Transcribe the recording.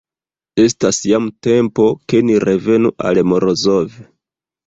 Estas jam tempo, ke ni revenu al Morozov.